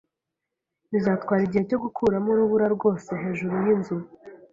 Bizatwara igihe cyo gukuramo urubura rwose hejuru yinzu.